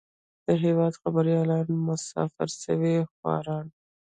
د هېواد خبريالان مسافر سوي خواران.